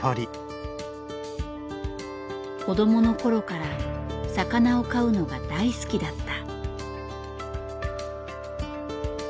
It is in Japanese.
子どもの頃から魚を飼うのが大好きだった。